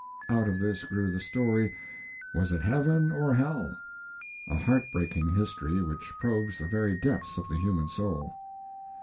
Out of this grew the story, "Was it Heaven? or Hell?" a heartbreaking history which probes the very depths of the human soul.